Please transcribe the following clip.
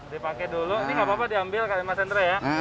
dipakai dulu ini nggak apa apa diambil ke masyarakat ya